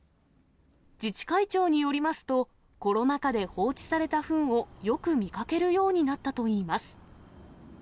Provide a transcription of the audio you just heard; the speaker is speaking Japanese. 自治会長によりますと、コロナ禍で放置されたふんを、よく見かけるようになったといいます。